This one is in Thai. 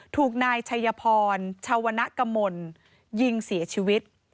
ถูกนายชัยพรชาวณกมลยิงเสียชีวิต